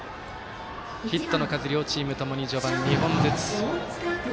ヒットの数、両チームともに序盤、２本ずつ。